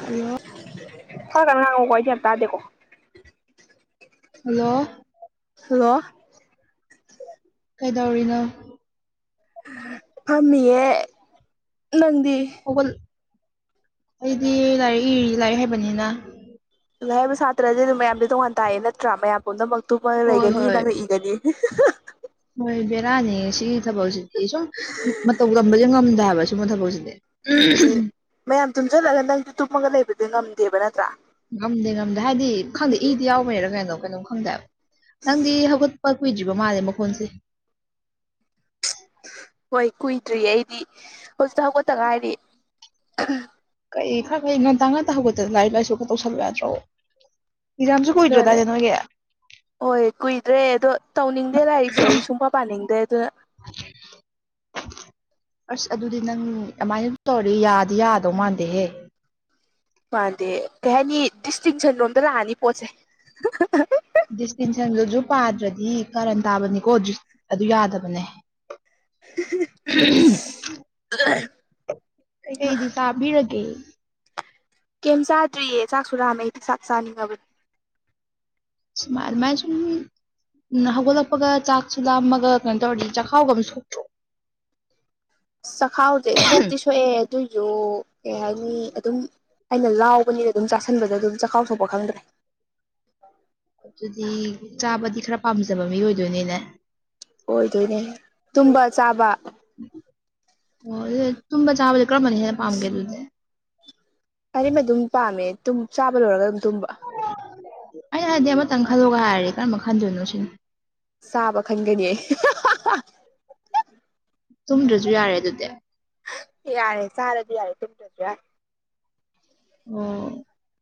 Hello ꯈꯔ ꯀꯥꯟꯅ ꯉꯥꯡꯉꯣꯀꯣ ꯑꯩꯗꯤ ꯌꯥꯝ ꯇꯥꯗꯦꯀꯣ ꯍꯜꯂꯣ ꯍꯜꯂꯣ ꯀꯩꯗꯧꯔꯤꯅꯣ ꯊꯝꯃꯤꯌꯦ ꯅꯪꯗꯤ ꯍꯧꯒꯠ ꯑꯩꯗꯤ ꯂꯥꯏꯔꯤꯛ ꯏꯔꯤ ꯂꯥꯏꯔꯤꯛ ꯍꯩꯕꯅꯤꯅ ꯂꯥꯏꯔꯤꯛ ꯍꯩꯕ ꯁꯥꯇ꯭ꯔꯗꯤ ꯑꯗꯨꯝ ꯃꯌꯥꯝꯗꯤ ꯇꯣꯉꯥꯟ ꯇꯥꯏꯌꯦ ꯅꯠꯇ꯭ꯔꯥ ꯃꯌꯥꯝ ꯄꯨꯝꯅꯃꯛ ꯇꯨꯝꯃꯒ ꯍꯣꯏ ꯂꯩꯒꯅꯤ ꯍꯣꯏ ꯅꯪꯅꯥ ꯏꯒꯅꯤ [unintelligible] ꯍꯣꯏ ꯕꯦꯔꯥꯅꯤ ꯁꯤꯒꯤ ꯊꯕꯛꯁꯤꯗꯤ ꯁꯨꯝ ꯃꯇꯧ ꯇꯝꯕꯁꯦ ꯉꯝꯗꯦ ꯍꯥꯏꯕ ꯁꯨꯝꯕ ꯊꯕꯛꯁꯤꯗꯤ ꯎꯝ ꯃꯌꯥꯝ ꯇꯨꯝꯁꯤꯜꯂꯒ ꯅꯪꯗꯤ ꯇꯨꯝꯃꯒ ꯂꯩꯕꯗꯤ ꯉꯝꯗꯦꯕ ꯅꯠꯇ꯭ꯔꯥ ꯉꯝꯗꯦ ꯉꯝꯗꯦ ꯍꯥꯏꯗꯤ ꯈꯪꯗꯦ ꯏꯗꯤ ꯌꯥꯎꯕꯩꯔ ꯀꯩꯅꯣ ꯀꯩꯅꯣꯝ ꯈꯪꯗꯦꯕ ꯅꯪꯗꯤ ꯍꯧꯒꯠꯄ ꯀꯨꯏꯗ꯭ꯔꯤꯕ ꯃꯥꯜꯂꯦ ꯃꯈꯣꯟꯁꯦ ꯍꯣꯏ ꯀꯨꯏꯗ꯭ꯔꯤꯌꯦ ꯑꯩꯗꯤ ꯍꯧꯖꯤꯛꯇ ꯍꯧꯒꯠꯇ ꯉꯥꯢꯔꯤꯌꯦ ꯀꯩ ꯈꯔ ꯀꯩ ꯉꯟꯇꯥ ꯉꯟꯇꯥ ꯍꯧꯒꯠꯇꯥꯅ ꯂꯥꯏꯔꯤꯛ ꯂꯥꯏꯁꯨ ꯈꯔ ꯇꯧꯁꯜꯂꯨ ꯌꯥꯗ꯭ꯔꯣ ꯌꯦꯛꯖꯥꯝꯁꯨ ꯑꯗꯨꯅꯦ ꯀꯨꯏꯗ꯭ꯔꯥꯗꯥꯢꯅꯦ ꯅꯣꯏꯒꯤ ꯍꯣꯏ ꯀꯨꯏꯗ꯭ꯔꯦ ꯑꯗꯣ ꯇꯧꯅꯤꯡꯗꯦ ꯂꯥꯏꯔꯤꯛꯁꯦ ꯑꯩ ꯁꯨꯡꯄ ꯄꯥꯅꯤꯡꯗꯦ ꯑꯗꯨꯅ [unintelligible] ꯑꯁ ꯑꯗꯨꯗꯤ ꯅꯪ ꯑꯗꯨꯃꯥꯏꯅ ꯇꯧꯔꯗꯤ ꯅꯪ ꯌꯥꯗꯤ ꯌꯥꯗꯧ ꯃꯥꯟꯗꯦꯍꯦ ꯃꯥꯥꯟꯗꯦ ꯀꯩ ꯍꯥꯏꯅꯤ ꯗꯤꯁꯇꯤꯡꯁꯟ ꯂꯣꯝꯗ ꯂꯥꯛꯑꯅꯤ ꯄꯣꯠꯁꯦ ꯗꯤꯁꯇꯤꯡꯁꯟꯗꯨꯁꯨ ꯄꯥꯗ꯭ꯔꯗꯤ ꯀꯔꯟ ꯇꯥꯕꯅꯤꯀꯣ ꯑꯗꯨ ꯌꯥꯗꯕꯅꯦ꯫ ꯑꯍꯝ [unintelligible] ꯀꯩꯀꯩꯗꯤ ꯆꯥꯕꯤꯔꯒꯦ꯫ ꯀꯩꯝ ꯆꯥꯗ꯭ꯔꯤꯌꯦ ꯆꯥꯛꯁꯨꯨ ꯂꯥꯝꯃꯦ ꯑꯩꯗꯤ ꯆꯥꯛ ꯆꯥꯅꯤꯡꯉꯕꯅꯤ꯫ ꯁꯨꯃꯥꯢ ꯑꯗꯨꯃꯥꯢ ꯁꯨꯝ꯫ ꯎꯝ ꯍꯧꯒꯠꯂꯛꯄꯒ ꯆꯥꯛꯁꯨ ꯂꯥꯝꯃꯒ ꯀꯩꯅꯣ ꯇꯧꯔꯗꯤ ꯆꯥꯛꯈꯥꯎꯒꯗꯣ ꯁꯣꯛꯇ꯭ꯔꯣ꯫ ꯆꯥꯛꯈꯥꯎꯖꯦ ꯁꯣꯛꯇꯤ ꯁꯣꯛꯑꯦ ꯑꯗꯨꯏꯁꯨ ꯀꯩ ꯍꯥꯏꯅꯤ ꯑꯗꯨꯝ꯫ ꯑꯩꯅ ꯂꯥꯎꯕꯅꯤꯅ ꯑꯗꯨꯝ ꯆꯥꯁꯟꯕꯗ ꯑꯗꯨꯝ ꯆꯥꯛꯈꯥꯎ ꯁꯣꯛꯄ ꯈꯪꯗ꯭ꯔꯦ꯫ ꯑꯗꯨꯗꯤ ꯆꯥꯕꯗꯤ ꯈꯔ ꯄꯥꯝꯖꯕ ꯃꯤ ꯑꯣꯏꯗꯣꯏꯅꯤꯅꯦ꯫ ꯑꯣꯏꯗꯣꯏꯅꯦ ꯇꯨꯝꯕ ꯆꯥꯕ꯫ ꯑꯣ ꯑꯗꯨ ꯇꯨꯝꯕ ꯆꯥꯕꯖꯦ ꯀꯔꯝꯕꯅ ꯍꯦꯟꯅ ꯄꯥꯝꯒꯦ ꯑꯗꯨꯗꯤ꯫ ꯑꯔꯤꯃꯛ ꯑꯗꯨꯝ ꯄꯥꯝꯃꯦ ꯆꯥꯕ ꯂꯣꯏꯔꯒ ꯑꯗꯨꯝ ꯇꯨꯝꯕ꯫ ꯑꯩꯅ ꯍꯥꯏꯗꯤ ꯑꯃꯇꯪ ꯈꯜꯂꯣꯒ ꯍꯥꯏꯔꯗꯝ ꯀꯔꯝꯕ ꯈꯟꯗꯣꯏꯅꯣ ꯁꯤꯅꯤ꯫ ꯆꯥꯕ ꯈꯟꯒꯅꯤ ꯑꯩ ꯇꯨꯝꯗ꯭ꯔꯁꯨ ꯌꯥꯔꯦ ꯑꯗꯨꯗꯤ꯫ ꯌꯥꯔꯦ ꯆꯥꯔꯗꯤ ꯌꯥꯔꯦ ꯇꯨꯝꯗ꯭ꯔꯖꯨ ꯌꯥꯔꯦ꯫ ꯑꯣ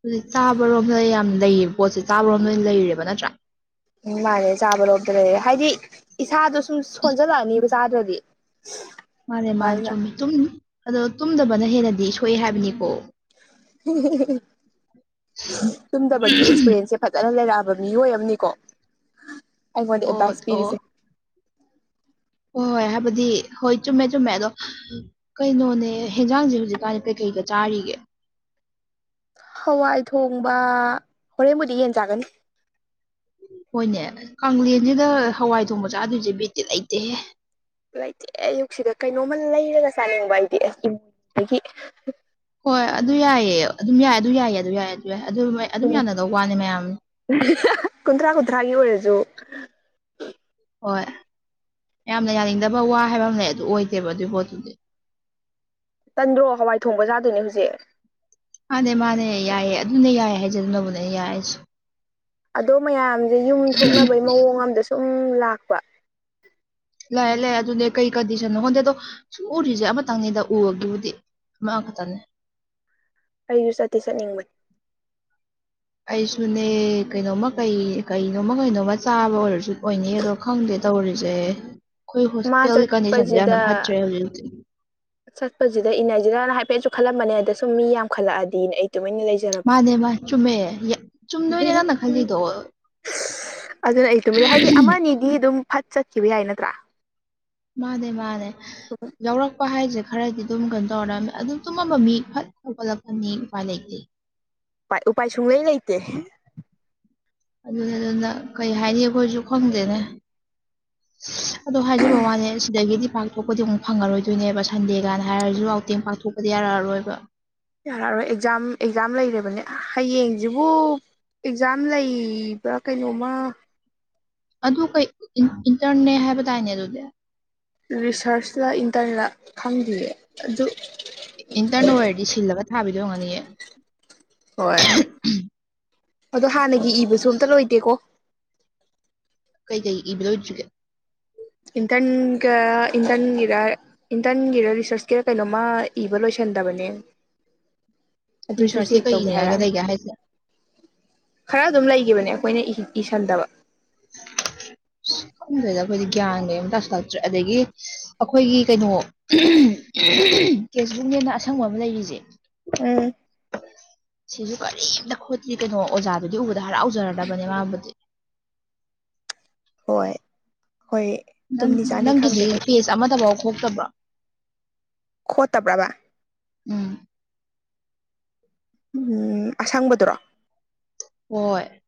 ꯍꯧꯖꯤꯛ ꯆꯥꯕꯔꯣꯝꯗ ꯌꯥꯝ ꯂꯩꯌꯦꯕ ꯄꯣꯠꯁꯦ ꯆꯥꯕꯔꯣꯝꯗ ꯑꯣꯏꯅ ꯂꯩꯔꯦꯕ ꯅꯠꯇ꯭ꯔꯥ꯫ ꯎꯝ ꯃꯥꯅꯦ ꯆꯥꯕꯔꯣꯝꯗ ꯂꯩꯔꯦ ꯍꯥꯏꯗꯤ ꯏꯁꯥꯗꯣ ꯁꯨꯝ ꯁꯣꯟꯖꯜꯂꯛꯑꯅꯤꯕ꯫ ꯆꯗ꯭ꯔꯗꯤ꯫ ꯃꯥꯅꯦ ꯃꯥꯅꯦ ꯆꯨꯝꯃꯦ ꯇꯨꯝ ꯑꯗꯣ ꯇꯨꯝꯗꯕꯅ ꯍꯦꯟꯅꯗꯤ ꯁꯣꯛꯑꯦ ꯍꯥꯏꯕꯅꯤꯀꯣ꯫ [unintelligible] ꯇꯨꯝꯗꯕꯒꯤ ꯑꯦꯛꯁꯄꯤꯔꯤꯟꯁꯁꯦ꯫ ꯐꯖꯅ ꯂꯩꯔꯛꯑꯕ ꯃꯤꯑꯣꯏ ꯑꯃꯅꯤꯀꯣ ꯑꯩꯉꯣꯟꯗ ꯑꯣ ꯑꯦꯗꯚꯥꯏꯁ ꯑꯣ ꯄꯤꯔꯤꯁꯦ꯫ ꯍꯣꯏ ꯍꯣꯏ ꯍꯥꯏꯕꯗꯤ ꯍꯣꯏ ꯆꯨꯝꯃꯦ ꯆꯨꯝꯃꯦ ꯑꯗꯣ꯫ ꯀꯩꯅꯣꯅꯦ ꯍꯦꯟꯖꯥꯡꯁꯦ ꯍꯧꯖꯤꯛꯀꯥꯟꯅꯤ ꯀꯩꯀꯩꯒ ꯆꯥꯔꯤꯒꯦ꯫ ꯍꯋꯥꯏ ꯊꯣꯡꯕ ꯍꯣꯔꯦꯟꯕꯨꯗꯤ ꯌꯦꯟ ꯆꯥꯒꯅꯤ꯫ ꯍꯣꯏꯅꯦ ꯀꯥꯡꯂꯦꯟꯖꯤꯗ ꯍꯋꯥꯏ ꯊꯣꯡꯕ ꯆꯥꯗꯣꯏꯁꯦ ꯕꯤꯠꯇꯤ ꯂꯩꯇꯦꯍꯦ꯫ ꯂꯩꯇꯦ ꯑꯌꯨꯛꯁꯤꯗ ꯀꯩꯅꯣꯝꯃ ꯂꯩꯔꯒ ꯆꯥꯅꯤꯡꯕ ꯍꯥꯏꯗꯤ [unintelligible] ꯍꯣꯏ ꯑꯗꯨ ꯌꯥꯏꯌꯦ ꯑꯗꯨꯝ ꯌꯥꯏ ꯑꯗꯨ ꯌꯥꯏꯌꯦ ꯑꯗꯨ ꯌꯥꯏ ꯑꯗꯨ ꯌꯥꯏ ꯑꯗꯨ ꯑꯗꯨꯝ ꯌꯥꯅꯗꯧ ꯋꯥꯅꯤ ꯃꯌꯥꯝ꯫ [unintelligible] ꯀꯨꯟꯊ꯭ꯔꯥ ꯀꯨꯟꯊ꯭ꯔꯥꯒꯤ ꯑꯣꯏꯔꯁꯨ꯫ ꯍꯣꯏ ꯌꯥꯝꯅ ꯌꯥꯅꯤꯡꯗꯕ ꯋꯥ ꯍꯥꯏꯕ ꯑꯃ ꯂꯩ ꯑꯗꯨ ꯑꯣꯏꯗꯦꯕ ꯑꯗꯨꯏ ꯄꯣꯠꯇꯨꯗꯤ꯫ ꯇꯟꯗ꯭ꯔꯣ ꯍꯋꯥꯏ ꯊꯣꯡꯕ ꯆꯥꯗꯨꯅꯦ ꯍꯨꯖꯤꯛ꯫ ꯃꯥꯅꯦ ꯃꯥꯅꯦ ꯌꯥꯏꯌꯦ ꯑꯗꯨꯅꯦ ꯌꯥꯏ ꯍꯥꯏꯖꯗꯨꯕꯨꯅꯦ ꯌꯥꯏꯁꯨ꯫ ꯑꯗꯣ ꯃꯌꯥꯝꯖ ꯌꯨꯝ ꯊꯣꯛꯅꯕꯩ ꯃꯑꯣꯡ ꯑꯝꯗ ꯁꯨꯝ ꯂꯥꯛꯄ꯫ ꯂꯩꯥꯑꯦ ꯂꯩꯑꯦ ꯑꯗꯨꯅꯦ ꯀꯩ ꯀꯟꯗꯤꯁꯟꯅꯣ ꯈꯟꯗꯦ ꯑꯗꯣ ꯁꯨꯔꯤꯁꯦ ꯑꯃꯇꯪꯅꯤꯗ ꯎꯔꯒꯦꯕꯨꯗꯤ꯫ ꯃꯥ ꯈꯥ ꯇꯪꯅꯦ꯫ ꯑꯩꯁꯨ ꯆꯠꯇꯤ ꯆꯠꯅꯤꯡꯕꯅꯤ꯫ ꯑꯩꯁꯨꯅꯦ ꯀꯩꯅꯣꯃ ꯀꯩ ꯀꯩꯅꯣꯃ ꯀꯩꯅꯣꯃ ꯆꯥꯕ ꯑꯣꯏꯔꯁꯨ ꯑꯣꯏꯅꯤ ꯑꯗꯣ꯫ ꯈꯪꯗꯦ ꯇꯧꯔꯤꯁꯦ ꯑꯩꯈꯣꯏ ꯃꯥ ꯍꯣꯁꯇꯦꯜꯒꯤ ꯀꯟꯗꯤꯁꯟꯁꯦ ꯌꯥꯝꯅ ꯆꯠꯄꯁꯤꯗ ꯐꯠꯇ꯭ꯔꯦ ꯍꯧꯖꯤꯛ ꯇꯤ꯫ ꯆꯠꯄꯁꯤꯗ ꯏꯅꯖꯤꯔꯅ ꯍꯥꯏꯐꯦꯠꯇꯤ ꯈꯜꯂꯝꯕꯅꯦ ꯑꯗ ꯁꯨꯝ ꯃꯤ ꯌꯥꯝ ꯈꯜꯂꯛꯑꯗꯤꯅꯦ ꯑꯩ ꯇꯨꯃꯥꯏꯅ ꯂꯩꯖ ꯃꯥꯅꯦ ꯃꯥꯅꯦ ꯆꯨꯝꯃꯦ ꯆꯨꯝꯗꯣꯏꯅꯦ ꯅꯪꯅ ꯈꯜꯂꯤꯗꯣ꯫ ꯑꯗꯨꯅ ꯑꯩ ꯇꯨꯝꯃꯤ ꯍꯥꯏꯗꯤ ꯑꯃꯅꯤ ꯗꯤ ꯗꯨꯝ ꯐꯠ ꯆꯠꯈꯤꯕ ꯌꯥꯏ ꯅꯠꯇ꯭ꯔꯥ꯫ ꯃꯥꯅꯦ ꯃꯥꯅꯦ ꯌꯥꯎꯔꯛ ꯄꯥ ꯍꯥꯏꯁꯦ ꯈꯔꯗꯤ ꯗꯨꯝ ꯀꯩꯅꯣ ꯇꯧꯔꯗꯝꯃꯦ ꯑꯗꯨꯝ ꯇꯨꯝꯃꯝꯕ ꯃꯤ ꯐꯠ ꯍꯧꯒꯠꯂꯛꯄꯅꯤ ꯎꯄꯥꯏ ꯂꯩꯇꯦ꯫ ꯎꯄꯥꯏ ꯎꯄꯥꯏ ꯁꯨꯡꯂꯩ ꯂꯩꯇꯦ꯫ ꯑꯗꯨꯅꯦ ꯑꯗꯨꯅ ꯀꯩ ꯍꯥꯏꯅꯤ ꯑꯩꯈꯣꯏꯁꯨ ꯈꯪꯗꯦꯅꯦ꯫ ꯑꯗꯣ ꯍꯥꯏꯖꯕ ꯋꯥꯅꯦ ꯁꯤꯗꯒꯤꯗꯤ ꯄꯥꯛ ꯊꯣꯛꯄꯗꯤ ꯑꯃꯨꯛ ꯐꯪꯉꯔꯣꯏꯗꯣꯏꯅꯦꯕ ꯁꯟꯗꯦ ꯒꯥꯅ ꯍꯥꯏꯔꯁꯨ ꯑꯥꯎꯇꯦꯡ ꯄꯥꯛꯊꯣꯛꯄꯗꯤ ꯌꯥꯔꯛꯑꯔꯣꯏꯕ꯫ ꯌꯥꯔꯛꯑꯔꯣꯏ ꯑꯦꯛꯖꯥꯝ ꯑꯦꯛꯖꯥꯝ ꯂꯩꯔꯕꯅꯦ ꯍꯌꯦꯡꯖꯤꯕꯨ꯫ ꯑꯦꯛꯖꯥꯝ ꯂꯩꯕ꯭ꯔꯥ ꯀꯩꯅꯣꯝꯃ꯫ ꯑꯗꯨ ꯀꯩ ꯏꯟꯇꯔꯟ ꯅꯦ ꯍꯥꯏꯕꯗꯥꯏꯅꯦ ꯑꯗꯨꯗꯤ꯫ ꯔꯤꯁꯔꯁꯂ ꯏꯟꯇꯔꯟꯔꯥ ꯈꯪꯗꯤꯌꯦ ꯑꯗꯨ ꯏꯟꯇꯔꯟ ꯑꯣꯏꯔꯗꯤ ꯁꯤꯜꯂꯒ ꯊꯥꯕꯤꯗꯣ ꯑꯣꯢꯔꯝꯒꯅꯤꯌꯦ ꯍꯣꯏ ꯑꯗꯣ ꯍꯥꯟꯅꯒꯤ ꯏꯕꯁꯨ ꯑꯝꯇ ꯂꯣꯏꯗꯦꯀꯣ ꯀꯩ ꯀꯩ ꯏꯕ ꯂꯣꯏꯗ꯭ꯔꯤꯒꯦ ꯏꯟꯇꯔꯒ ꯏꯟꯇꯔꯒꯤꯗ ꯏꯟꯇꯔꯟꯒꯤꯔ ꯔꯤꯁꯔꯁꯀꯤꯔ ꯀꯩꯅꯣꯃ ꯏꯕ ꯂꯣꯏꯁꯤꯟꯗꯕꯅꯦ ꯔꯤꯁꯥꯔꯁꯤ ꯀꯩ ꯇꯧꯒꯦ ꯏꯅꯤꯡꯉꯥꯏ ꯍꯥꯏꯔꯛꯑꯅꯤ ꯂꯩꯒꯦ ꯍꯥꯏꯁꯦ ꯈꯔ ꯑꯗꯨꯝ ꯂꯩꯈꯤꯕꯅꯦ ꯑꯩꯈꯣꯏꯅ ꯏꯁꯤꯟꯗꯕ ꯈꯪꯗꯦꯗ ꯑꯩꯈꯣꯏꯗꯤ ꯒ꯭ꯌꯥꯟ ꯃꯦꯟ ꯑꯃ ꯇꯥꯁꯤꯟꯂꯛꯇ꯭ꯔꯦ ꯑꯗꯒꯤ ꯑꯩꯈꯣꯏꯒꯤ ꯀꯩꯅꯣ [unintelligible] ꯇ‌ꯦꯁ ꯕꯨꯛꯅꯦꯅ ꯑꯁꯪꯕ ꯑꯃ ꯂꯩꯔꯤꯁꯦ ꯎꯝ ꯁꯤꯁꯨ ꯀꯔꯤꯝꯇ ꯈꯣꯠꯇ꯭ꯔꯤ ꯀꯩꯅꯣ ꯑꯣꯖꯥꯗꯨꯗꯤ ꯎꯕꯗ ꯍꯔꯥꯎꯖꯔꯗꯕꯅꯦ ꯃꯥꯕꯨꯗꯤ ꯍꯣꯏ ꯍꯣꯏ ꯅꯪ ꯇꯨꯝꯅꯤ ꯆꯥꯅꯤ ꯅꯪꯒꯤꯗꯤ ꯈꯪꯗꯒꯩ ꯄꯦꯖ ꯑꯃꯇꯐꯥꯎ ꯈꯣꯛꯇꯕ꯭ꯔꯥ ꯈꯣꯠꯇ ꯕ꯭ꯔꯕꯥ ꯎꯝ ꯑꯁꯪꯕꯗꯨꯔꯣ ꯍꯣꯏ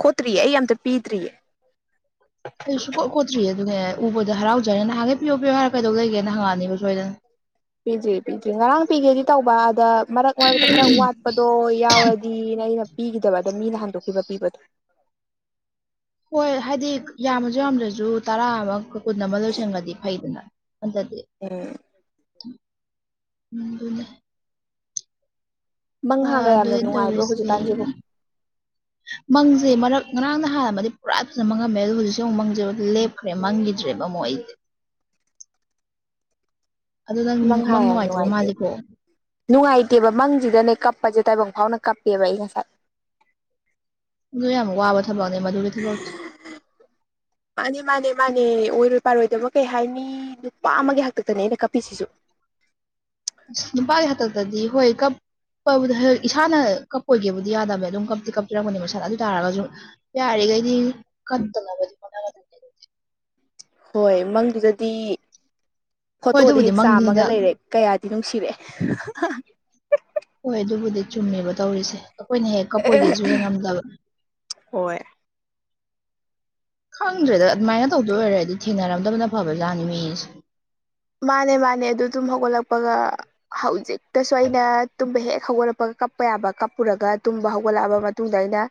ꯈꯣꯠꯇ꯭ꯔꯤꯌꯦ ꯑꯩ ꯑꯝꯇ ꯄꯤꯗ꯭ꯔꯤꯌꯦ ꯑꯩꯁꯨ ꯀꯣꯠ ꯈꯣꯠꯇ꯭ꯔꯤ ꯑꯗꯨꯅꯦ ꯎꯕꯗꯣ ꯍꯔꯥꯎꯖꯔꯦ ꯅꯍꯥꯟꯒꯩ ꯄꯤꯌ‌ꯣ ꯄꯤꯌꯣ ꯍꯥꯏꯔꯒ ꯀꯩꯗꯧ ꯂꯩꯒꯦꯅ ꯍꯪꯉꯛꯑꯅꯕ ꯁꯣꯏꯗꯅ ꯄꯤꯗ꯭ꯔꯤ ꯄꯤꯗ꯭ꯔꯤ ꯉꯔꯥꯡ ꯄꯤꯒꯦꯗꯤ ꯇꯧꯕ ꯑꯗ ꯃꯔꯛ ꯃꯔꯛꯇ ꯈꯔ ꯋꯥꯠꯄꯗꯣ ꯌꯥꯎꯔꯗꯤ ꯗꯤꯅꯦ ꯑꯩꯅ ꯄꯤꯈꯤꯗꯕ ꯑꯗ ꯃꯤꯅ ꯍꯟꯗꯣꯛꯈꯤꯕ ꯄꯤꯕꯗꯣ ꯍꯣꯏ ꯍꯥꯏꯗꯤ ꯌꯥꯝꯃꯁꯨ ꯌꯥꯝꯗ꯭ꯔꯁꯨ ꯇꯔꯥ ꯑꯃ ꯀꯨꯟ ꯑꯃ ꯂꯣꯏꯁꯟꯒ꯭ꯔꯗꯤ ꯐꯩꯗꯅ ꯑꯗꯗꯤ ꯎꯝ [inaudible] ꯑ ꯃꯪꯍꯥꯒ ꯌꯥꯝꯅ ꯑꯗꯨꯅꯤ ꯅꯨꯡꯉꯥꯏꯕ꯭ꯔꯣ ꯇꯧꯔꯤꯁꯦ ꯍꯧꯖꯤꯛꯀꯥꯟꯁꯤꯕꯨ ꯃꯪꯁꯦ ꯃꯔꯛ ꯉꯔꯥꯡꯅ ꯍꯥꯟꯅꯃꯗꯤ ꯄꯨꯔꯥ ꯐꯖꯅ ꯃꯥꯡꯉꯝꯃꯦ ꯑꯗꯨ ꯍꯧꯖꯤꯛꯁꯦ ꯑꯃꯨꯛ ꯃꯪꯁꯦ ꯂꯦꯞꯈ꯭ꯔꯦ ꯃꯪꯈꯤꯗ꯭ꯔꯦꯕ ꯑꯃꯨꯛ ꯑꯩꯁꯦ ꯑꯗꯨ ꯅꯪ ꯃꯪꯍꯥ ꯃꯪ ꯌꯥꯝ ꯅꯨꯡꯉꯥꯏꯇꯕ ꯅꯨꯡꯉꯥꯏꯇꯦ ꯃꯥꯜꯂꯤꯀꯣ ꯅꯨꯡꯉꯥꯏꯇꯦꯕ ꯃꯪꯁꯤꯗꯅꯦ ꯀꯞꯄꯁꯦ ꯇꯥꯏꯕꯪ ꯐꯥꯎꯅ ꯀꯞꯄꯦꯕ ꯑꯩ ꯉꯁꯥꯏ ꯑꯗꯨ ꯌꯥꯝ ꯋꯥꯕ ꯊꯕꯛꯅꯦ ꯃꯗꯨꯗ ꯊꯤꯂ‌ꯣ ꯃꯥꯅꯦ ꯃꯥꯅꯦ ꯃꯥꯅꯦ ꯑꯣꯏꯔꯣꯏ ꯄꯥꯔꯣꯏꯗꯕ ꯀꯩ ꯍꯥꯏꯅꯤ ꯅꯨꯄꯥ ꯑꯃꯒꯤ ꯍꯥꯛꯇꯛꯇꯅꯦ ꯑꯩꯅ ꯀꯞꯄꯤꯁꯤꯁꯨ ꯅꯨꯄꯥꯒꯤ ꯍꯥꯠꯇꯛ ꯇꯗꯤ ꯍꯣꯏ ꯀꯞ ꯀ ꯍ [unintelligible] ꯏꯁꯥꯅ ꯀꯞꯄꯣꯏꯒꯦꯕꯨꯗꯤ ꯌꯥꯗꯕ ꯑꯗꯨꯝ ꯀꯞꯇꯤ ꯀꯞꯄꯤꯔꯝꯄꯅꯦ ꯃꯁꯥꯗ ꯑꯗꯨ ꯇꯥꯔꯒꯁꯨ ꯌꯥꯔꯤꯒꯩꯗꯤ ꯀꯞꯇꯅꯕꯗꯤ ꯍꯣꯠꯅꯒꯗꯕꯅꯦ ꯍꯣꯏ ꯃꯪꯗꯨꯗꯗꯤ ꯍꯣꯏ ꯐꯣꯇꯣꯗ ꯑꯗꯨꯕꯨꯗꯤ ꯍꯦꯛ ꯆꯥꯝꯃꯒ ꯃꯪꯅꯤꯅ ꯂꯩꯔꯦ ꯀꯌꯥꯗꯤ ꯅꯨꯡꯁꯤꯔꯦ ꯍꯣꯏ ꯑꯗꯨꯕꯨꯗꯤ ꯆꯨꯝꯃꯦꯕ ꯇꯧꯔꯤꯁꯦ ꯑꯩꯈꯣꯏꯅ ꯍꯦꯛ ꯀꯞꯄꯣꯏꯒ‌ꯦꯁꯨ ꯍ‌ꯦꯠ ꯉꯝꯗꯕ ꯍꯣꯏ ꯈꯪꯗ꯭ꯔꯦꯗ ꯑꯗꯨꯃꯥꯏꯅ ꯇꯧꯗꯣꯏ ꯑꯣꯏꯔꯦꯗꯤ ꯊꯦꯡꯅꯔꯝꯗꯕꯅ ꯐꯕꯖꯥꯠꯅꯤ ꯃꯤꯁꯦ ꯃꯥꯅꯦ ꯃꯥꯅꯦ ꯑꯗꯨ ꯇꯨꯝ ꯍꯧꯒꯠꯂꯛꯄꯒ ꯍꯧꯖꯤꯛ ꯇꯁꯨ ꯑꯩꯅ ꯇꯨꯝꯕ ꯍꯦꯛ ꯍꯧꯒꯠꯂꯛꯄꯒ ꯀꯞꯄ ꯌꯥꯕ ꯀꯞꯄꯨꯔꯒ ꯇꯨꯝꯕ ꯍꯧꯒꯠꯂꯛꯑꯕ ꯃꯇꯨꯡꯗ ꯑꯩꯅ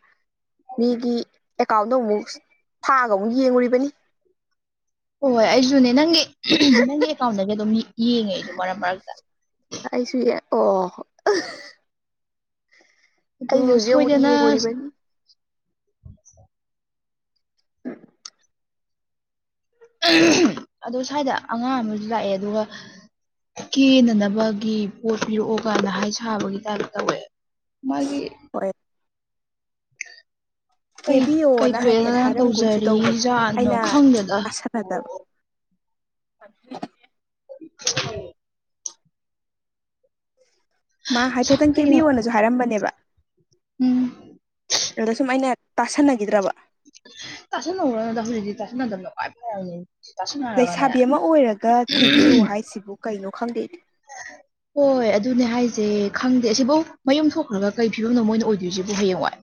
ꯃꯤꯒꯤ ꯑꯦꯀꯥꯎꯟꯗꯣ ꯑꯃꯨꯛ ꯐꯥꯛꯑꯒ ꯑꯃꯨꯛ ꯌꯦꯡꯉꯨꯔꯤꯕꯅꯤ ꯍꯣꯏ ꯑꯩꯁꯨꯅꯦ ꯅꯪꯒꯤ ꯅꯪꯒꯤ ꯑꯦꯀꯥꯎꯟꯗꯒꯤ ꯑꯗꯨꯝ ꯌꯦꯡꯉꯦ ꯑꯩꯁꯨ ꯃꯔꯛ ꯃꯔꯛꯇ ꯑꯩ ꯁꯨꯏ ꯌ‌ꯦ ꯑꯣ ꯑꯗꯣ ꯑꯩꯁꯨ ꯍꯧꯖꯤꯛ ꯑꯃꯨꯛ ꯁꯣꯏꯗꯅ ꯌꯦꯡꯉꯨꯔꯤꯕꯅꯤ [inaudible] [unintelligible] ꯑꯗꯣ ꯁ꯭ꯋꯥꯏꯗ ꯑꯉꯥꯡ ꯑꯃꯁꯨ ꯂꯥꯛꯑꯦ ꯑꯗꯨꯒ ꯀꯦꯅꯅꯕꯒꯤ ꯄꯣꯠ ꯄꯤꯔꯛꯑꯣꯒꯥꯏꯅ ꯍꯥꯏ ꯁꯥꯕꯒꯤ ꯇꯥꯏꯞ ꯇꯧꯋꯦ ꯃꯥꯒꯤ ꯍꯣꯏ ꯀꯩ ꯀꯩ ꯀꯦꯕꯤꯌꯣꯅ ꯍꯥꯏꯐꯦꯠ ꯊꯣꯛꯑꯦꯅ ꯍꯥꯏꯔꯝꯒꯨꯝꯁꯨ ꯇꯧꯕꯅꯦ ꯇꯧꯖꯔꯤꯖꯥꯠꯅꯣ ꯑꯩꯅ ꯈꯪꯗꯦꯗ ꯑꯁ ꯐꯗꯕ [unintelligible] [unintelligible] ꯃꯥ ꯍꯥꯏꯐꯦꯠꯇꯪ ꯀꯩꯅꯣ ꯀꯦꯕꯤꯌꯣꯅꯁꯨ ꯍꯥꯏꯔꯝꯕꯅꯦꯕ ꯎꯝ ꯑꯗ ꯁꯨꯝ ꯑꯩꯅ ꯇꯥꯁꯟꯅꯈꯤꯗ꯭ꯔꯕ ꯇꯥꯁꯟꯅꯔꯨꯅꯗ ꯍꯧꯖꯤꯛꯛꯇꯗꯤ ꯇꯥꯁꯟꯅꯗꯕꯅ ꯈꯋꯥꯏ ꯐꯔꯕꯅꯤ ꯇꯥꯁꯟꯅꯔꯒꯅꯦ ꯂꯩꯁꯥꯕꯤ ꯑꯃ ꯑꯣꯏꯔꯒ ꯀꯤꯕꯤꯌꯨ ꯍꯥꯏꯁꯤꯕꯨ ꯀꯩꯅꯣ ꯈꯪꯗꯦ ꯍ [unintelligible] ꯍꯣꯏ ꯑꯗꯨꯅꯦ ꯍꯥꯏꯁꯦ ꯈꯪꯗꯦ ꯑꯁꯤꯐꯧ ꯃꯌꯨꯝ ꯊꯣꯛꯈ꯭ꯔꯒ ꯀꯔꯤ ꯐꯤꯕꯝꯅꯣ ꯃꯣꯏꯅ ꯑꯣꯏꯗꯣꯏꯁꯤꯕꯣ ꯍꯌꯦꯡꯋꯥꯏ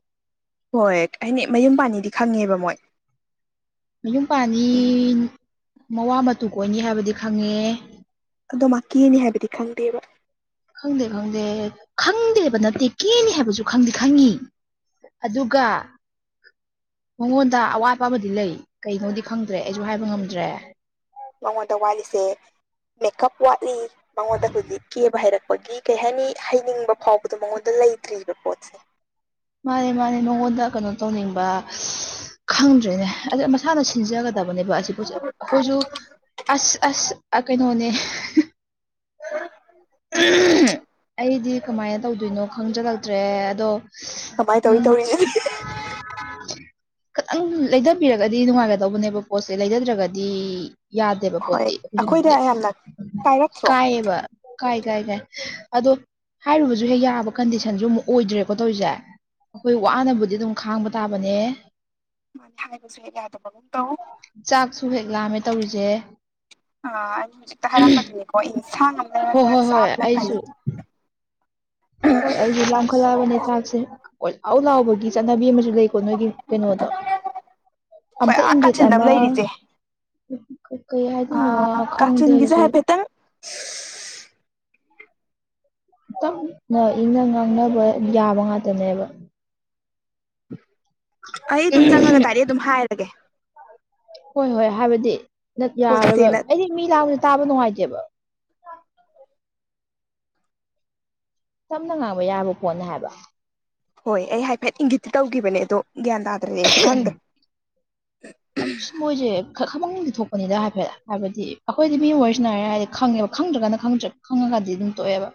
ꯍꯣꯏ ꯑꯩꯩꯅ ꯃꯌꯨꯝ ꯄꯥꯅꯦꯗꯤ ꯈꯪꯉꯦꯕ ꯃꯣꯏ ꯃꯌꯨꯝ ꯄꯥꯟꯅꯤ ꯎꯝ ꯃꯋꯥ ꯃꯇꯨ ꯀꯣꯏꯅꯤ ꯍꯥꯏꯕꯗꯤ ꯈꯪꯉꯦ ꯑꯗꯣ ꯃꯥ ꯀꯦꯅꯤ ꯍꯥꯏꯕꯗꯤ ꯈꯪꯗꯦꯕ ꯈꯪꯗꯦ ꯈꯪꯗꯦ ꯈꯪꯗꯦꯕ ꯅꯠꯇꯦ ꯀꯦꯅꯤ ꯍꯥꯏꯕꯁꯨ ꯈꯪꯗꯤ ꯈꯪꯉꯤ ꯑꯗꯨꯒ ꯃꯉꯣꯟꯗ ꯑꯋꯥꯠꯄ ꯑꯃꯗꯤ ꯂꯩ ꯀꯩꯅꯣꯗꯤ ꯈꯪꯗ꯭ꯔꯦ ꯑꯩꯁꯨ ꯍꯥꯏꯕ ꯉꯝꯗ꯭ꯔꯦ ꯃꯉꯣꯟꯗ ꯋꯥꯠꯂꯤꯁꯦ ꯃꯦꯀꯞ ꯋꯥꯠꯂꯤ ꯃꯉꯣꯟꯗ ꯍꯧꯖꯤꯛ ꯀꯦꯕ ꯍꯩꯔꯛꯄꯒꯤ ꯀꯩ ꯍꯥꯏꯅꯤ ꯍꯩꯅꯤꯡꯕ ꯐꯥꯎꯕꯗꯣ ꯃꯉꯣꯟꯗ ꯂꯩꯇ꯭ꯔꯤꯕ ꯄꯣꯠꯁꯦ ꯃꯥꯅꯤ ꯃꯥꯅꯤ ꯃꯥꯉꯣꯟꯗ ꯀꯩꯅꯣ ꯇꯧꯅꯤꯡꯕ ꯈꯪꯗ꯭ꯔꯦꯅꯦ ꯑꯥ ꯃꯁꯥꯅ ꯁꯤꯟꯖꯒꯗꯕ ꯇꯕꯅꯦꯕ ꯑꯁꯤꯕꯨ ꯑꯩꯈꯣꯏꯁꯨ ꯑꯁ ꯑꯁ ꯀꯩꯅꯣꯅꯦ [unintelligible] ꯑꯩꯗꯤ ꯀꯃꯥꯏꯅ ꯇꯧꯗꯣꯏꯅꯣ ꯈꯪꯖꯜꯂꯛꯇ꯭ꯔꯦ ꯑꯗꯣ ꯀꯃꯥꯏꯅ ꯇꯧꯔꯤ ꯎꯝ ꯇꯧꯔꯤꯁꯦ ꯈꯤꯇꯪ ꯂꯩꯊꯕꯤꯔꯒꯗꯤ ꯅꯨꯡꯉꯥꯏꯒꯗꯧꯕꯅꯦꯕ ꯄꯣꯠꯁꯦ ꯂꯩꯊꯗ꯭ꯔꯒꯗꯤ ꯌꯥꯗꯦꯕ ꯍꯣꯏ ꯄꯣꯠꯇꯤ ꯑꯩꯈꯣꯏꯗ ꯍꯧꯖꯤꯛꯇꯤ ꯌꯥꯝꯅ ꯀꯥꯏꯔꯛꯇ꯭ꯔꯣ ꯀꯥꯏꯌꯦꯕ ꯀꯥꯏ ꯀꯥꯏ ꯀꯥꯏ ꯑꯗꯣ ꯍꯥꯏꯔꯨꯕꯁꯨ ꯍꯦꯛ ꯌꯥꯕ ꯀꯟꯗꯤꯁꯟꯁꯨ ꯑꯃꯨꯛ ꯑꯣꯏꯗ꯭ꯔꯦꯀꯣ ꯇꯧꯔꯤꯁꯦ ꯑꯩꯈꯣꯏ ꯋꯥꯅꯕꯨꯗꯤ ꯑꯗꯨꯝ ꯈꯥꯡꯕ ꯇꯥꯕꯅꯦ ꯃꯥꯅꯦ ꯍꯥꯏꯕꯁꯨ ꯌꯥꯗꯕꯒꯨꯝ ꯇꯧ ꯆꯥꯛꯁꯨ ꯍꯦꯛ ꯂꯥꯝꯃꯦ ꯇꯧꯔꯤꯁꯦ ꯑꯥ ꯑꯩꯅ ꯍꯧꯖꯤꯛꯇ ꯍꯥꯏꯔꯝꯕꯗꯨꯅꯦꯀꯣ ꯑꯦꯟꯁꯥꯡ ꯑꯃ ꯍꯣꯏ ꯂꯩꯔꯒ ꯍꯣꯏ ꯍꯣꯏ ꯆꯥꯕꯅ ꯐꯩ ꯑꯩꯁꯨ ꯍꯣꯏ ꯑꯩꯁꯦ ꯂꯝꯈꯠꯂꯛꯑꯕꯅꯦ ꯆꯥꯛꯁꯦ ꯀꯣꯢ ꯂꯥꯎ ꯂꯥꯎꯕꯒꯤ ꯆꯠꯅꯕꯤ ꯑꯃꯁꯨ ꯂꯩꯀꯣ ꯅꯣꯏꯒꯤ ꯀꯩꯅꯣꯗꯣ ꯍꯣꯏ ꯑꯝꯇ ꯑꯥ ꯏꯪꯒꯤꯠ ꯀꯥꯆꯤꯟꯗ ꯑꯃ ꯂꯩꯔꯤꯁꯦ ꯀꯩ ꯀꯩ ꯍꯥꯏꯗꯅꯣ ꯈꯪꯗꯦ ꯀꯥꯆꯤꯟꯒꯤꯁꯦ ꯑꯩꯁꯨ ꯍꯥꯏꯐꯦꯠꯇꯪ ꯇꯥꯞꯅ ꯏꯪꯅ ꯉꯥꯡꯅꯕ ꯌꯥꯕ ꯉꯥꯛꯇꯅꯦꯕ ꯑꯩ ꯑꯗꯨꯝ ꯆꯪꯉꯒ ꯇꯥꯔꯦꯛ ꯑꯗꯨꯝ ꯍꯥꯏꯔꯒꯦ ꯍꯣꯏ ꯍꯣꯏ ꯍꯥꯏꯕꯗꯤ ꯌꯥꯔꯔꯣꯏꯕ ꯄꯣꯠꯁꯦꯅ ꯑꯩꯗꯤ ꯃꯤ ꯂꯥꯡꯕꯁꯦ ꯇꯥꯕ ꯅꯨꯡꯉꯥꯏꯇꯦꯕ ꯇꯞꯅ ꯉꯥꯡꯕ ꯌꯥꯕ ꯄꯣꯠꯅꯦ ꯍꯥꯏꯕ ꯍꯣꯏ ꯑꯩ ꯍꯥꯏꯐꯦꯠ ꯏꯪꯒꯤꯠꯇꯤ ꯇꯧꯈꯤꯕꯅꯦ ꯑꯗꯣ ꯒ꯭ꯌꯥꯟ ꯇꯥꯗ꯭ꯔꯗꯤ ꯑꯩꯁꯨ ꯈꯪꯗꯦ ꯑꯁ ꯃꯣꯏꯁꯦ ꯈꯪꯐꯝꯗꯤ ꯊꯣꯛꯄꯅꯤꯗ ꯍꯥꯏꯐꯦꯠ ꯍꯥꯏꯕꯗꯤ ꯑꯩꯈꯣꯏꯗꯤ ꯃꯤ ꯋꯥꯔꯤ ꯁꯥꯟꯅꯔꯤ ꯍꯥꯏꯔꯗꯤ ꯈꯪꯉꯦꯕ ꯈꯪꯗ꯭ꯔꯒꯗꯤ ꯈꯪꯗ꯭ꯔꯦ ꯈꯪꯉꯒꯥꯗꯤ ꯑꯗꯨꯝ ꯇꯣꯛꯑꯦꯕ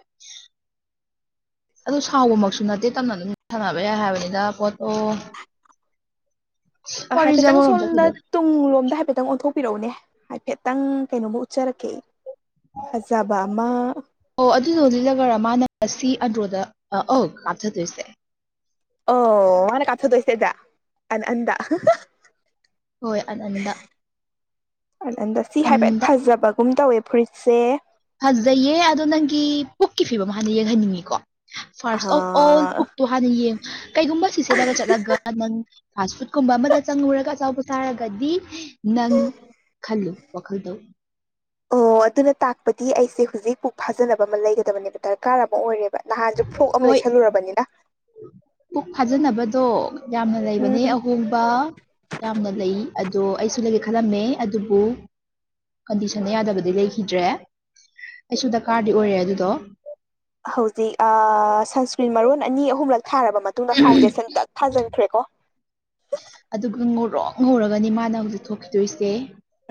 ꯑꯗꯨ ꯁꯥꯎꯕꯃꯛꯁꯨ ꯅꯠꯇꯦ ꯇꯞꯅ ꯑꯗꯨꯝ ꯁꯥꯟꯅꯕ ꯌꯥꯏ ꯍꯥꯏꯕꯅꯤꯗ ꯄꯣꯠꯇꯣ ꯋꯥꯔꯤꯁꯦ ꯍꯥꯏꯐꯦꯠꯇꯪ ꯑꯃꯔꯣꯝ ꯁꯣꯝꯗ ꯆꯠꯈꯤꯗꯣꯔꯦ ꯇꯨꯡꯂꯣꯝꯗ ꯍꯥꯏꯐꯦꯠꯇꯪ ꯑꯣꯟꯊꯣꯛꯄꯤꯔꯛꯎꯅꯦ ꯍꯥꯏꯐꯦꯠꯇꯪ ꯀꯩꯅꯣꯝꯃ ꯎꯠꯆꯔꯛꯀꯦ ꯑꯩ ꯐꯖꯕ ꯑꯃ ꯑꯣ ꯑꯗꯨꯗꯣ ꯂꯤꯠꯂꯒꯔꯥ ꯃꯥꯅ ꯉꯁꯤ ꯑꯟꯗ꯭ꯔꯣꯗ ꯑꯧ ꯀꯥꯞꯊꯗꯣꯏꯁꯦ ꯑꯣ ꯃꯥꯅꯦ ꯀꯥꯞꯊꯗꯣꯏꯁꯦ ꯑꯥꯟꯗ ꯍꯣꯏ ꯑꯅꯟꯗ ꯑꯅꯟꯗ ꯁꯤ ꯍꯥꯏꯐꯦꯠ ꯐꯖꯕꯒꯨꯝ ꯇꯧꯋꯦ ꯐꯨꯔꯤꯠꯁꯦ ꯐꯖꯩꯌꯦ ꯑꯗꯣ ꯅꯪꯒꯤ ꯄꯨꯛꯀꯤ ꯐꯤꯕꯝ ꯍꯥꯟꯅ ꯌꯦꯡꯍꯟꯅꯤꯡꯉꯤꯀꯣ ꯐꯥꯔꯁ ꯑꯣꯐ ꯑꯣꯜ ꯑꯣ ꯍꯥꯟꯅ ꯌꯦꯡꯉ ꯀꯩꯒꯨꯝꯕ ꯁꯤ ꯁꯦꯠꯂꯒ ꯆꯠꯂꯒ ꯅꯪ ꯐꯥꯁ ꯐꯨꯗꯀꯨꯝꯕ ꯑꯃꯗ ꯆꯪꯉꯨꯔꯒ ꯑꯆꯥꯕꯣꯠ ꯆꯥꯔꯒꯗꯤ ꯅꯪ ꯈꯜꯂꯨ ꯋꯥꯈꯜꯗꯣ ꯑꯣ ꯑꯗꯨꯅ ꯇꯥꯛꯄꯗꯤ ꯑꯩꯁꯦ ꯍꯧꯖꯤꯛ ꯄꯨꯛ ꯐꯥꯖꯅꯕ ꯑꯃ ꯂꯩꯒꯗꯕꯅꯦꯕ ꯗꯔꯀꯥꯔ ꯑꯃ ꯑꯣꯏꯔꯦꯕ ꯅꯍꯥꯟꯁꯦ ꯐꯣꯛ ꯑꯃ ꯍꯣꯏ ꯂꯩꯁꯜꯂꯨꯔꯕꯅꯤꯅ ꯄꯨꯛ ꯐꯥꯖꯅꯕꯗꯣ ꯌꯥꯝꯅ ꯂꯩꯕꯅꯦ ꯎꯝ ꯑꯍꯣꯡꯕ ꯌꯥꯝꯅ ꯂꯩ ꯑꯗꯣ ꯑꯩꯁꯨ ꯂꯩꯒꯦ ꯈꯜꯂꯝꯃꯦ ꯑꯗꯨꯕꯨ ꯀꯟꯗꯤꯁꯟꯗ ꯌꯥꯗꯕꯗꯤ ꯂꯩꯈꯤꯗ꯭ꯔꯦ ꯑꯩꯁꯨ ꯗꯀꯥ꯭ꯔꯗꯤ ꯑꯣꯏꯔꯦ ꯑꯗꯨꯗꯣ ꯍꯧꯖꯤꯛ ꯁꯟꯁꯀ꯭ꯔꯤꯟ ꯃꯔꯣꯟ ꯑꯅꯤ ꯑꯍꯨꯝꯂꯛ ꯊꯥꯔꯕ ꯃꯇꯨꯡꯗ ꯐꯥꯎꯟꯗꯦꯁꯟ ꯇꯛ ꯊꯥꯖꯤꯟꯈ꯭ꯔꯦꯀꯣ ꯑꯗꯨꯒ ꯉꯧꯔꯣꯛ ꯉꯧꯔꯒꯅꯤ ꯃꯥꯅ ꯍꯧꯖꯤꯛ ꯊꯣꯛꯈꯤꯗꯣꯏꯁꯦ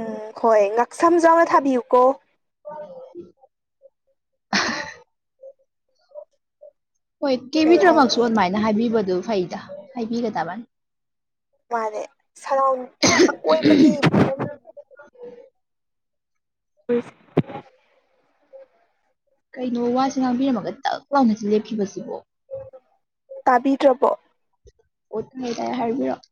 ꯎꯝ ꯍꯣꯏ ꯉꯥꯛꯁꯝꯁꯨ ꯌꯥꯎꯅ ꯊꯥꯕꯤꯌꯨꯀꯣ ꯑꯣ [unintelligible] ꯍꯣꯏ ꯀꯩ ꯍꯥꯏꯅꯤ ꯀꯦꯕꯤꯗ꯭ꯔꯃꯛꯁꯨ ꯑꯗꯨꯃꯥꯏꯅ ꯍꯥꯏꯕꯤꯕꯗꯨ ꯐꯩꯗ ꯍꯥꯏꯕꯤꯒꯗꯕꯅꯤ ꯃꯥꯅꯦ ꯁꯔꯥꯎꯟ ꯑꯀꯣꯏꯕꯒꯤ ꯎꯝ ꯀꯩꯅꯣ ꯋꯥꯁꯦ ꯉꯥꯡꯕꯤꯔꯝꯃꯒ ꯇꯥꯛ ꯂꯥꯎꯅ ꯂꯦꯞꯈꯤꯕꯁꯤꯕꯣ ꯇꯥꯕꯤꯗ꯭ꯔꯕꯣ ꯑꯣ ꯇꯥꯢꯌꯦ ꯇꯥꯢꯌꯦ ꯍꯥꯏꯕꯤꯔꯛꯑꯣ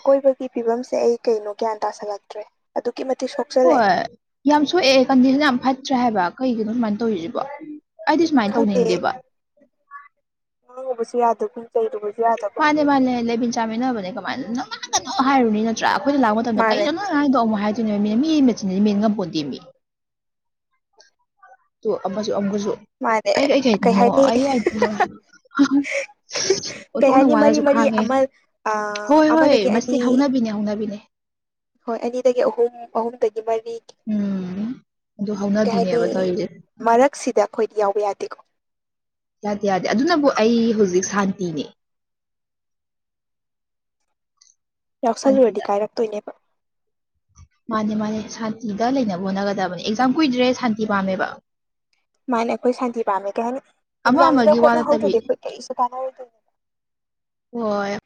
ꯑꯀꯣꯏꯕꯒꯤ ꯐꯤꯕꯝꯁꯦ ꯑꯩ ꯀꯩꯅꯣ ꯒ꯭ꯌꯥꯟ ꯇꯥꯥꯁꯜꯂꯛꯇ꯭ꯔꯦ ꯑꯗꯨꯛꯀꯤ ꯃꯇꯤꯛ ꯁꯣꯛꯆꯜꯂꯛꯑꯦ ꯍꯣꯏ ꯌꯥꯝ ꯁꯣꯛꯑꯦ ꯀꯟꯗꯤꯁꯟ ꯌꯥꯝ ꯐꯠꯇ꯭ꯔꯦ ꯍꯥꯏꯕ ꯀꯩꯒꯤꯅꯣ ꯁꯨꯃꯥꯏꯅ ꯇꯧꯔꯤꯁꯤꯕꯣ ꯑꯩꯗꯤ ꯁꯨꯃꯥꯏꯅ ꯈꯪꯗꯦ ꯇꯧꯅꯤꯡꯗꯦꯕ ꯉꯥꯡꯉꯨꯕꯁꯨ ꯌꯥꯗꯕꯒꯨꯝ ꯇꯧ ꯃꯥꯅꯦ ꯃꯥꯅꯦ ꯂꯩꯃꯤꯟ ꯆꯥꯃꯤꯟꯅꯕꯅꯦ ꯀꯃꯥꯏꯅ ꯍꯥꯏꯔꯨꯅꯤ ꯅꯠꯇ꯭ꯔꯥ ꯑꯩꯈꯣꯏꯅ ꯂꯥꯛ ꯃꯇꯝꯗ ꯃꯥꯅꯦ ꯀꯩꯗꯅꯣ ꯍꯥꯏꯗꯣ ꯑꯃꯨꯛ ꯍꯥꯏꯗꯨꯢꯅꯦ ꯃꯤꯅ ꯃꯤ ꯃꯆꯤꯟꯁꯦ ꯃꯦꯟ ꯉꯥꯝꯄꯣꯟꯇꯦ ꯑꯃꯁꯨ ꯑꯃꯒꯁꯨ ꯃꯥꯅꯦ ꯀꯩ ꯑꯩꯗꯅꯣ ꯍꯥꯏꯅꯤ [unintelligible] ꯑꯩ ꯍꯥꯏꯗꯅꯣ ꯀꯩ ꯑꯣꯟꯊꯣꯛꯅ ꯍꯥꯏꯅꯤ ꯃꯔꯤ ꯋꯥꯂꯁꯨ ꯃꯔꯤ ꯈꯥꯡꯉꯦ ꯑꯃ ꯍꯣꯏ ꯍꯣꯏ ꯑꯃꯗꯒꯤ ꯃꯁꯤ ꯑꯅꯤ ꯍꯧꯅꯕꯤꯅꯦ ꯍꯧꯅꯕꯤꯅꯦ ꯍꯣꯏ ꯑꯅꯤꯗꯒꯤ ꯑꯍꯨꯝ ꯑꯍꯨꯝꯗꯒꯤ ꯃꯔꯤ ꯎꯝ ꯑꯗꯨ ꯍꯥꯏꯗꯤ ꯍꯧꯅꯕꯤꯅꯦꯕ ꯇꯧꯔꯤꯁꯦ ꯃꯔꯛꯁꯤꯗ ꯑꯩꯈꯣꯏꯗꯤ ꯌꯥꯎꯕ ꯌꯥꯗꯦꯀꯣ ꯌꯥꯗꯦ ꯌꯥꯗꯦ ꯑꯗꯨꯅꯕꯨ ꯑꯩ ꯍꯧꯖꯤꯛ ꯁꯥꯟꯇꯤꯅꯦ ꯌꯥꯎꯁꯜꯂꯨꯔꯗꯤ ꯁꯥꯟꯇꯤꯗ ꯀꯥꯏꯔꯛꯇꯣꯏꯅꯦꯕ ꯃꯥꯅꯦ ꯃꯥꯅꯦ ꯁꯥꯟꯇꯤꯗ ꯂꯩꯅꯕ ꯍꯣꯠꯅꯒꯗꯕꯅꯦ ꯑꯦꯛꯖꯥꯝ ꯀꯨꯏꯗ꯭ꯔꯦ ꯁꯥꯟꯇꯤ ꯄꯥꯝꯃꯦꯕ ꯃꯥꯅꯦ ꯑꯩꯈꯣꯏ ꯁꯥꯟꯇꯤ ꯄꯥꯝꯃꯦ ꯀꯩ ꯍꯥꯏꯅꯤ ꯑꯃ ꯑꯦꯛꯖꯥꯝꯗ ꯑꯃꯒꯤ ꯋꯥ ꯅꯠꯇꯕꯤ ꯍꯣꯠꯅꯍꯧꯗ꯭ꯔꯗꯤ ꯑꯩꯈꯣꯏ ꯀꯔꯤꯁꯨ ꯀꯥꯟꯅꯔꯣꯏꯗꯣꯏꯅꯤ ꯍꯣꯏ